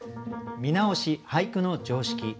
見直し「俳句の常識」